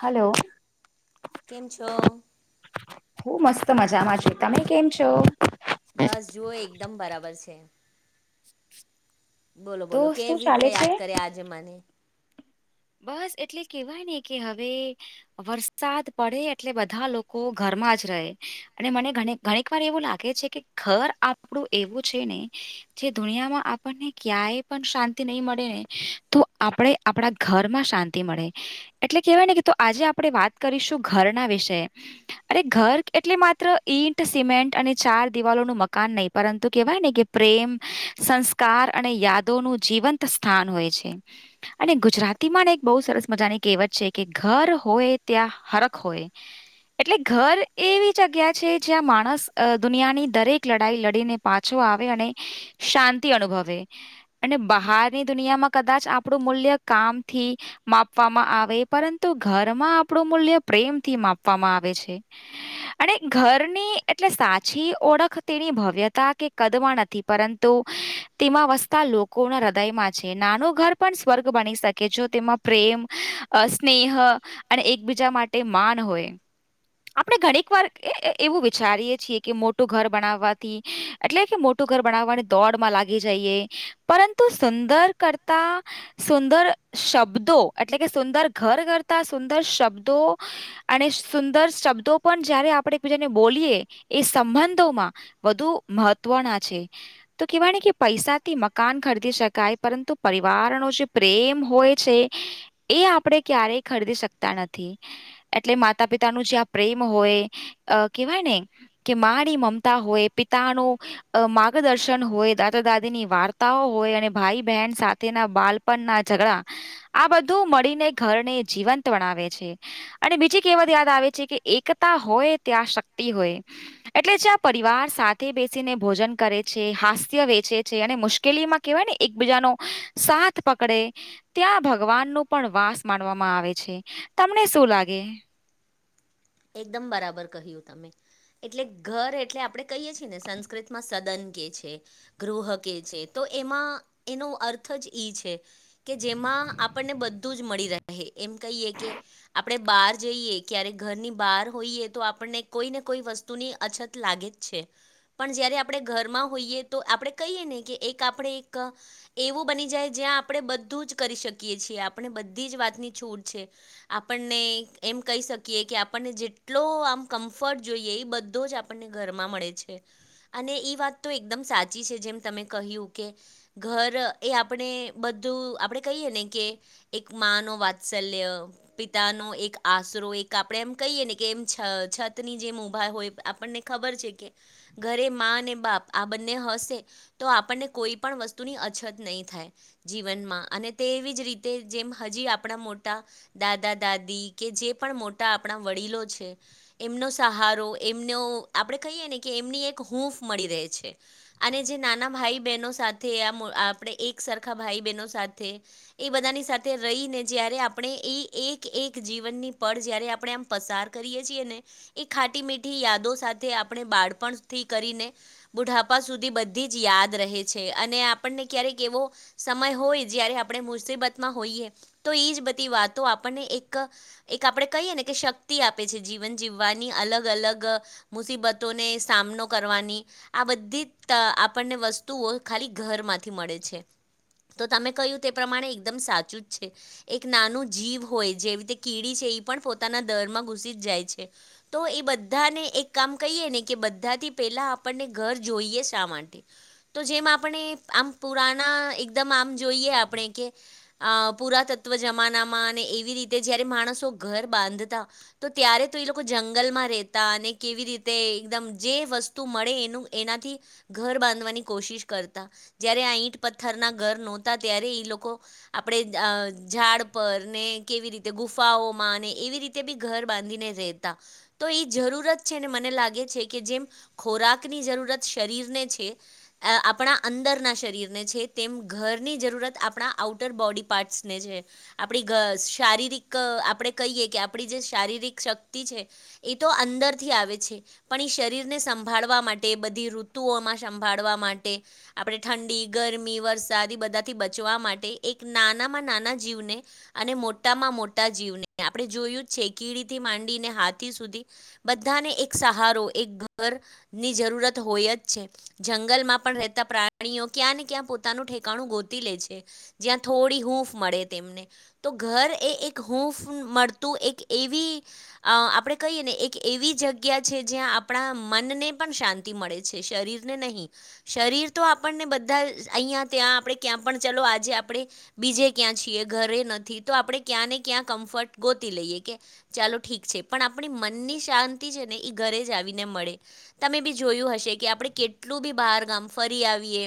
Hello. કેમ છો? હું મસ્ત મજામાં છ તમે કેમ છો? બસ જુઓ એકદમ બરાબર છે. બોલો તો બોલો શું કેવી ચાલે તે્યા છે યાદ કરે આજે મને. બસ એટલે કેવાય ને કે હવે વરસાદ પડે એટલે બધા લોકો ઘરમાં જ રહે. અને મને ઘણીક વાર એવું લાગે છે કે ઘર આપણું એવું છે ને. જે દુનિયામાં આપણને ક્યાય પણ શાંતિ નહીં મળે ને, તો આપણે આપણા ઘરમાં શાંતિ મળે, એટલે કહેવાય ને કે આજે આપણે વાત કરીશું ઘરના વિષ. અરે ઘર એટલે માત્ર ઈટ સિમેન્ટ અને ચાર દિવાલો ન મકાન નહીં પરંતુ કેહેવાય ને કે પ્રેમ, સંસ્કાર અને યાદોનું જીવંત સ્થાન હોય છે. અને ગુજરાત તીમાંને એક બહુ સરસ મજાની કહેવત છે કે ઘર હોય ત્યાં હરખ હોય. એટલે ઘર એવી જગ્યા છે જ્યાં માણસ દુનિયાની દરેક લડાઈ લડીને પાછો આવે અને, શાંતિ અનુભવે. અને બહારની દુનિયામાં કદાચ આપણું મૂલ્ય કામથી. માપવામાં આવે પરંતુ ઘરમાં આપણું મૂલ્ય પ્રેમથી માપવામાં આવે છે. અને ઘરની એટલે સાચી ઓળખ તેની ભવ્યતા કે કદમાં નથી પરંતુ તો, તેમાં વસતા લોકો ના હૃદયમાં છે નાનું ઘર પણ સ્વર્ગ બની શકે. કે જો તેમાં પ્રેમ, સ્નેહ અને એકબીજા માટે માન હોય. આપણે ઘણીક વાર એવું વિચારીએ છીએ કે મોટું ઘર બનાવવાથી. એટલે કે મોટું ઘર બનાવવાની દોડમાં લાગી જઈએ પરંતુ સુંદર કરતા સુંદર શબ્દો એટલે કે સુંદર ઘર કરતા સુંદર શબ્દો અને સુંદર શબ્દો પણ જયારે આપણે જેને બોલીએ એ સંબંધોમાં વધુ મહત્વના છે. તો કેહેવાય કે પૈસાથી મકાન ખરીદી શકાય પરંતુ પરિવારનો જે પ્રેમ હોય છે એ આપણેે ક્યારેય ખરીદી શકતા નથી. એટલે માતા પિતા નું જ્યાં પ્રેમ હોય અ કેહેવાય ને. કે મારી મમતા હોય પિતા નું. અ માર્ગદર્શન હોય દાદા દાદી ની વાર્તાઓ હોય અને ભાઈ બહેન સાથેના બાલ પણ ના ઝગડા. આ બધું મળીને ઘરને જીવંત વણાવે છે‌. અને બીજી કેવત યાદ આવે છે કે એકતા હોય ત્યાં શક્તિ હોય. એટલે જ્યાં પરિવાર સાથે બેસીને ભોજન કરે છે હાસ્ય વેચે છે અને મુશ્કે મુશ્કેલી માં કેહેવાય ને એકબીજાનો સાથ પકડે. ત્યાં ભગવાન નું પણ વાસ માનવામાં આવે છે તમને શું લાગે એકદમ બરાબર કહ્યું તમે. એટલે ઘર એટલે આપણે કહીએ છીએ ને સંસ્કૃત માં સદન કે છે. ગૃહ કે છે તો એમાં એનો અર્થજ ઇ છે. કે જેમાં આપણને બધું જ મળી રહે એમ કહીએ કે. આપણે બહાર જઈએ ક્યારે ઘરની. બહાર હોઈએ તો આપણને કોઈ ને કોઈ વસ્તુની અછત લાગે જ છે. પણ જયારે આપણે ઘરમાં હોઈએ તો આપણે કહીએ ને કે એક આપણે એક એવું બની જાય જ્યાં આપણે બધું જ કરી શકીએ છીએ આપણે બધી જ વાતની છૂટ છે. આપણને એમ કહી શકીએ કે. આપણને જેટલો આમ કમ્ફર્ટ જોઈએ એ બધો જ આપણને ઘરમાં મળે છે. અને એ વાત તો એકદમ સાચી છે જેમ તમે કહ્યું કે. ઘર એ આપણે બધું આપડે કહીયે ને કે. એક માં વાત્સલ્ય પિતાનો એક આસરો એક આપણે એમ કહીએ ને કે એમ છ છત ની જેમ ઊભા હોય આપણને ખબર છે કે ઘરે મા અને બાપ આ બંને હશે. તો આપણને કોઈ પણ વસ્તુની અછત નહીં થાય. જીવનમાં અને તેવી જ રીતે જેમ હજી આપણા મોટા દાદા દાદી કે જે પણ મોટા આપણા વડીલો છે. એમનો સહારો એમનો આપણે કહીએ ને કે એમની એક હૂફ મળી રહે છે. અને જે નાના ભાઈ બહેનો સાથે આ આપણે એક સરખા ભાઈ બહેનો સાથે એ બધાની સાથે રહીને જ્યારે આપણે એ એક એક જીવનની પળ જ્યારે આપણે આમ પસાર કરીએ છીએ ને. એ ખાટી મીઠી યાદો સાથે આપણે બાળપણથી કરીને બુઢાપા સુધી બધી જ યાદ રહે છે અને આપણને ક્યારેક એવો સમય હોય જયારે આપણે મુસીબતમાં હોઈએ તો ઈજ બધી વાતો આપણને એક એક આપણે કહીએ ને કે શક્તિ આપે છે જીવન જીવવાની અલગ અલગ મુસીબતોને સામનો કરવાની આ બધી ત આપણને વસ્તુઓ ખાલી ઘરમાંથી મળે છે. તો તમે કહ્યું તે પ્રમાણે એકદમ સાચું છે. એક નાનું જીવ હોય જેવી રીતે કીડી છે એ પણ પોતાના દર માં ઘુસી જ જાય છે. તો એ બધાને એક કામ કહીએ ને કે બધાથી પહેલાં આપણને ઘર જોઈએ શા માટે. તો જેમ આપણે આમ પુરાના એકદમ આમ જોઈએ આપણે કે અ પુરાતત્વ જમાનામાં અને એવી રીતે જયારે માણસો ઘર બાંધતા તો ત્યારે તો એ લોકો જંગલમાં રહેતા અને કેવી રીતે એકદમ જે વસ તું મળે એનું એનાથી ઘર બાંધવાની કોશિશ કરતા જયારે આ ઈંટ પત્થરના ઘર નહોતા ત્યારે ઈ લોકો આપણેે અ ઝાડ પર ને કેવી રીતે ગુફાઓમાં ને એવી રીતે બી ઘર બાંધીને રહેતા તો એ જરૂરત છે ને મને લાગે છે કે જેમ. ખોરાકની જરૂરત શરીરને છે. આપણા અંદરના શરીરને છે તેમ ઘરની જરૂરત આપણા આઉટર બોડી પાર્ટ્સને છે. આપણી શારીરિક આપણેે કહીએ કે આપણી જે શારીરિક શક્તિ છે. એ તો અંદર થી આવે છે. પણ એ શરીરને સંભાળવા માટે બધી ઋતુઓમાં સંભાળવા માટે આપણે ઠંડી ગરમી વરસાદ એ બધાથી બચવા માટે એક નાનામાં નાના જીવને અને મોટામાં મોટા જીવને આપણે જોયું જ છે કીડી થી માંડીને હાથી સુધી બધાને એક સહારો એક ઘરની જરૂરત હોય જ છે. જંગલમાં પણ રહેતા પ્રાણીઓ ક્યાં ને ક્યાં પોતાનું ઠેકાણું ગોતી લે છે. જ્યાં થોડી હૂફ મળે તેમને. તો ઘર એ એક હૂફ મળતું એક એવી અ આપણે કહીએ ને એક એવી જગ્યા છે જ્યાં આપણા મનને પણ શાંત મળે છે શરીર ને નહીં. શરીર તો આપણને બધા અહીંયા ત્યાં આપણે ક્યાં પણ ચાલ આજે આપણે બીજે ક્યાં છીએ ઘરે નથી તો આપડણે ક્યાં ને ક્યાં કમ્ફર્ટ ગોતી લઈએ કે ચાલો ઠીક છે પણ આપણી મનની શાંતિ છે ને એ ઘરે જ આવીને મળે. તમે બી જોયું હશે કે આપણે કેટલું બી બહાર ગામ ફરી આવીએ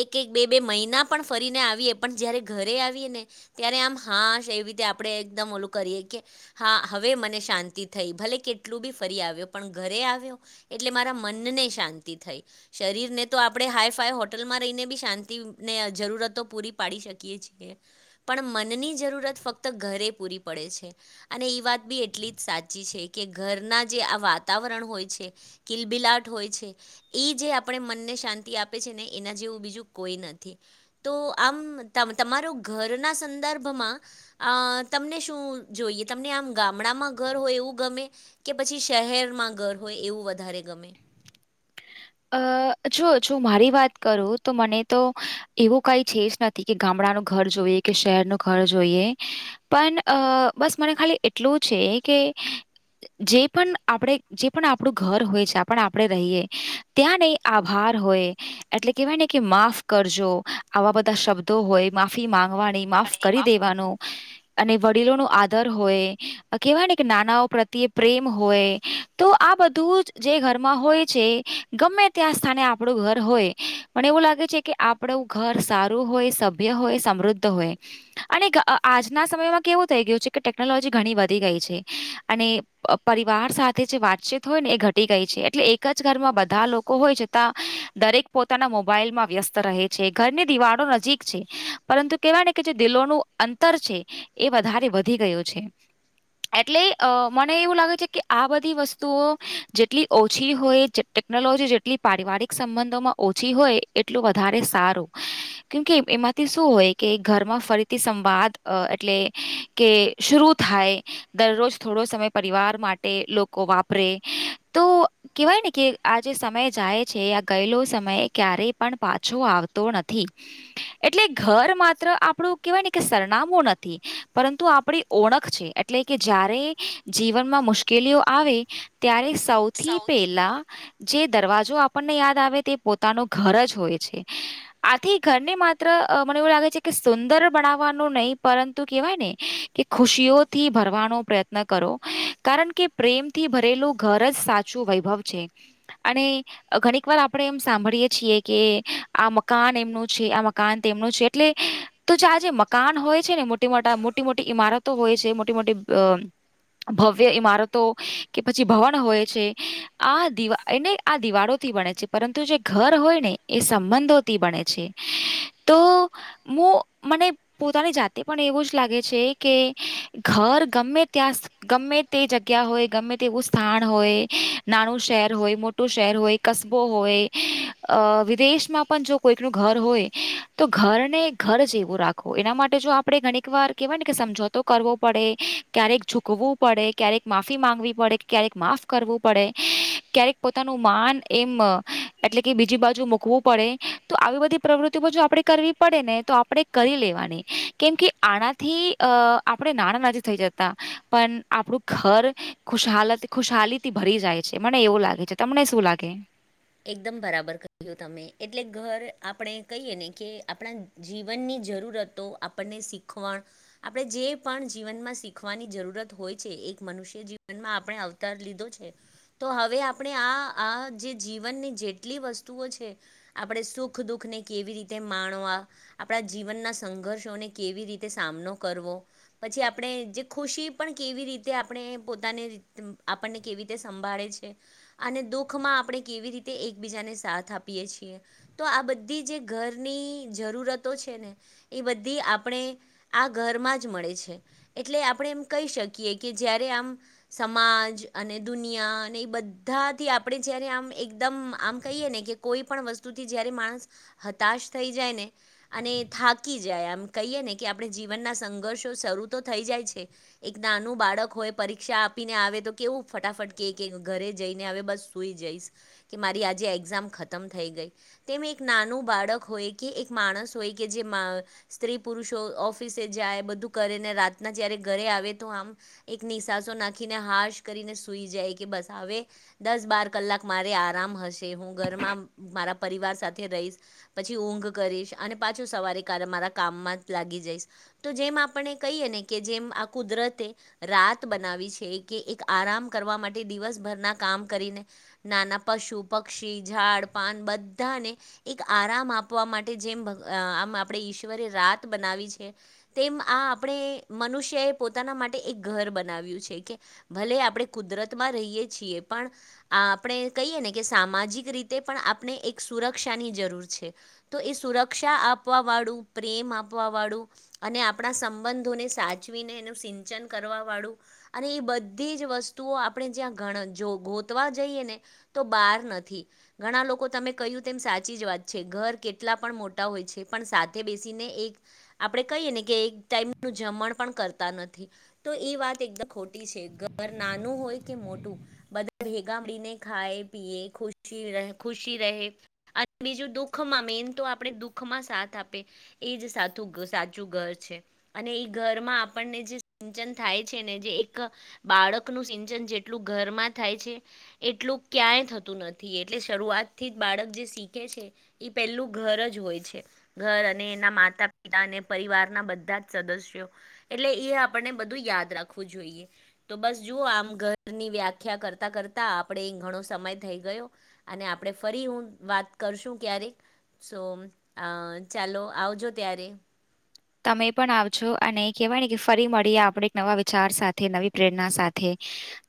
એક એક બે બે મહિના પણ ફરીને આવીએ પણ જ્યારે ઘરે આવીએ ને ત્યારે આમ હા એવી રીતે આપણેે એકદમ ઓલું કરીએ કે હા હવે મને શાંતિ થઈ ભલે કેટલું બી ફરી આવ્યો પણ ઘરે આવ્યો. એટલે મારા મનને શાંતિ થઈ. શરીરને તો આપણે હાય ફાય હોટલમાં રહીને બી શાંતિને જરૂરતો પૂરી પાડી શકીએ છીએ. પણ મનની જરૂરત ફક્ત ઘરે પૂરી પડે છે. અને એ વાત બી એટલી જ સાચી છે કે ઘરના જે આ વાતાવરણ હોય છે. કિલ બિલાટ હોય છે. એ જે આપણે મનને શાંતિ આપે છે ને એના જેવું બીજું કોઈ નથી. તો આમ તમારો ઘરના સંદર્ભમાં તમને શું જોઈએ તમને આમ ગામડામાં ઘર હોય એવું ગમે કે પછી શહેરમાં ઘર હોય એવું વધારે ગમે અ જો જો મારી વાત કરું તો મને તો એવું કઈ છે જ નથી. કે ગામડાનું ઘર જોઈએ કે શહેર ન ઘર જોઈએ. પણ અ બસ મને ખાલી એટલું છે કે જે પણ આપણેે જે પણ આપણું ઘર હોય છે પણ આપણે રહીયએ. ત્યાં નહી આભાર હોય. એટલે કેવાય ને કે માફ કરજો આવા બધા શબ્દો હોય માફી માંગવાની માફ કરી પાણીમાં દેવાનું અને વડીલો ન આદર હોય કેહેવાય ને કે નાનાઓ પ્રત્યે પ્રેમ હોય. તો આ બધું જ જે ઘરમાં હોય છે. ગમે ત્યાં સ્થાને આપણું ઘર હોય મને એવું લાગે છે કે આપણું ઘર સારું હોય. હોય સમૃદ્ધ હોય. અને આજના સમયમાં કેવું થઈ ગયું છે કે ટેકનોલોજી ઘણી વધી ગઈ છે અને પરિવાર સાથે જે વાતચીત હોય ને એ ઘટી ગઈ છે. એટલે એક જ ઘરમાં બધા લોકો હોય જતાં દરેક પોતાના મોબાઈલમાં વ્યસ્ત રહે છે. ઘરની દિવાળો નજીક પરંતુ કેવા કે જે દિલોનું અંતર છે એ વધારે વધી ગયું છે. એટલે અ મને એવું લાગે છે કે આ બધી વસ્તુઓ જેટલી ઓછી હોય. ટેકનોલોજી જેટલી પારિવારિક સંબંધોમાં ઓછી હોય એટલું વધારે સારું. કેમકે એમાંથી શું હોય કે ઘરમાં ફરીથી સંવાદ એટલે કે શરૂ થાય. દરરોજ થોડો સમય પરિવાર માટે લોકો વાપરે તો કેવાય ને કે આ જે સમય જાય છે આ ગયેલો સમય ક્યારેય પણ પાછો આવતો નથી. એટલે ઘર માત્ર આપણું કેવાય ને કે સરનામું નથી પરંતુ આપણી ઓળખ છે. એટલે કે જ્યારે જીવનમાં મુશ્કેલીઓ આવે ત્યારે સૌથી પહેલાં જે દરવાજો આપણને યાદ આવે તે પોતાનું ઘર જ હોય છે. આથી ઘરને માત્ર મને એવું લાગે છે કે સુંદર બનાવવાનું નહીિ પરંતુ કેહેવાય ને કે ખુશીઓથી ભરવાનો પ્રયત્ન કરો કારણ કે પ્રેમથી ભરેલું ઘર જ સાચ શું વૈભવ છે અને ઘણીક વાર આપણે એમ સાંભળીએ છીએ, કે આ મકાન એમનું છે, આ મકાન તેમનું છે, એટલે તો જે આ જેે મકાન હોય છે ને મોટી મોટા મોટી મોટી ઈમારતો હોય છે મોટી મોટી ભવ્ય ઈમારતો કે પછી ભવન હોય છે. આ દિવા એને આ દિવાળોથી બણે છે પરંતુ જે ઘર હોય ને એ સંબંધોથી બણે છે. તો મુું મને પોતાની જાતે પણ એવું જ લાગે છે કે ઘર ગમે ત્યાં ગમે તે જગ્યા હોય ગમે તે એવું સ્થાન હોય નાનું શહેર હોય મોટું શહેર હોય કબો હોય વિદેશમાં પણ જો કોઈક ન ઘર હોય તો ઘરને ઘર જેવું રાખો એના માટે જો આપડણે ઘણીક વાર કેહેવાય ને કે સમજોતો કરવો પડે. ક્યારેક ઝુકવું પડે ક્યારેક માફી માંગવી પડે ક્યારેક માફ કરવું પડે. ક્યારેક પોતાનું માન એમ એટલે કે બીજી બાજુ મૂકવું પડે. તો આવી બધી- પ્રવૃત્તિમાં જો આપણે કરવી પડે ને તો આપણે કરી લેવાની કેમ કે આનાથી અ આપડે નાણાં નાથી થઈ જતા પણ આપડું ઘર ખુશહાલત ખુશહલી થી ભરી જાય છે મને એવું લાગે છે તમને શું લાગે? એકદમ બરાબર ક્યું તમે એટલે ઘર આપણે કહીએ ને કે આપણા જીવનની જરૂરતો આપણને શીખવાણ આપણે જે પણ જીવનમાં શીખવાની જરૂરત હોય છે. એક મનુષ્ય જીવનમાં આપણે લીધો છે તો હવે આપણે આ આ જે જીવનની જેટલી વસ્તુઓ છે. આપણે સુખ દુઃખને કેવી રીતે માણવા આપણા જીવનના સંઘર્ષોને કેવી રીતે સામનો કરવો પછી આપણે જે ખુશી પણ કેવી રીતે આપણે પોતાની આપણને કેવી સંભાળે છે અને દુઃખમાં આપણે કેવી રીતે એકબીજાને સાથ આપીએ છીએ. તો આ બધી જે ઘરની જરૂરતો છે ને એ બધી આપણે આ ઘરમાં જ મળે છે. એટલે આપણે એમ કહી શકીએ કે જ્યારે આમ સમાજ અને દુનિયા અને એ બધાથી આપણે જયારે આમ એકદમ આમ કહીએ ને કે કોઈ પણણ વસ્તુથી જ્યારે માણસ હતાશ થઈ જાય ને અને થાકી જાય આમ કહીએ ને કે આપણે જીવનના સંઘર્ષો શરૂ તો થઈ જાય છે. એક નાનું બાળક હોય પરીક્ષા આપીને આવે તો કેવું ફટાફટ કે ઘરે જઈને આવે બસ સુઈ જઈશ. કે મારી આજે એક્ઝામ ખતમ થઈ ગઈ. તેમ એક નાનું બાળક હોય કે એક માણસ હોય કે જે સ્ત્રી પુરુષો ઓફિસે જાય બધું કરેને રાતના જયારે ઘરે આવે તો આમ એક નિશાસો નાખીને હાશ કરીને સુઈ જાય કે બસ આવે દસ બાર કલાક મારે આરામ હશે હું ઘરમાં મારા પરિવાર સાથે રહીશ. પછી ઊંઘ કરીશ અને પાછું સવારી કા મારા કામમાં લાગી જઈશ. તો જેમ આપણે કહીએ ને કે જેમ આ કુદરતે રાત બનાવી છે કે એક આરામ કરવા માટે દિવસભરના કામ કરીને નાના પશુ પક્ષી ઝાડ પાન બધાને એક આરામ આપવા માટે જેમ આમ આપણેે ઈશ્વરે રાત બનાવી છે. તેમ આ આપણે મનુષ્યએ પોતાના માટે એક ઘર બનાવ્યું છે કે. ભલે આપણે કુદરત માં રહીએ છીએ પણ આપ આપણે કહીએ ને કે સામાજિક રીતે પણ આપને એક સુરક્ષાની જરૂર છે. તો એ સુરક્ષા આપવા વાળું પ્રેમ આપવા વાળું અને આપણા સંબંધોને સાચવીને એનું સિંચન કરવા વાળું અને એ બધી જ વસ્તુઓ આપણે જ્યાંણ ગોતવા જઈએ ને્ તો બાર નથી‌. ઘણા લોકો તમે કહ્યું તેમ સાચી જ વાત છે ઘર કેટલા પણ મોટા હોય છે પણ સાથે બેસીને એક આપણે કહીએ ને કે એક ટાઈમનું જમણ પણ કરતા નથી. તો એ વાત એકદમ ખોટી છે ઘર નાનું હોય કે મોટું બધા ભેગા મળીને ખાય પીએ ખુશી રહે ખુશી રહે. અને બીજું દુખમાં મેન તો આપણે દુઃખમાં સાથ આપે. એજ સાઘુ સાચું ઘર છે. અને એ ઘરમાં આપણને જે સિંચન થાય છે ને જે એક બાળકનું સિંચન જેટલું ઘરમાં થાય છે. એટલું ક્યાંય થતું નથી એટલે શરૂઆતથી જ બાળક જે શીખે છે. એ પેલું ઘર જ હોય છે. ઘર અને એના માતા પિતા અને પરિવારના બધા જ સદસ્યો એટલે એ આપણને બધું યાદ રાખવું જોઈએ. તો બસ જુઓ આમ ઘરની વ્યાખ્યા કરતા કરતા. આપણે ઘણો સમય થઈ ગયો અને આપણે ફરી હું વાત કરશું ક્યારેક. સો અ ચાલો આવજો ત્યારે. તમે પણ આવજો અને કહેવાય ને કે ફરી મળીએ આપણે નવા વિચાર સાથે નવી પ્રેરણા સાથે. તે.